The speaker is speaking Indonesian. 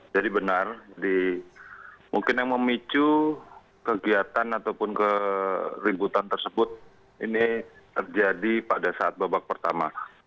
jadi benar mungkin yang memicu kegiatan ataupun keributan tersebut ini terjadi pada saat babak pertama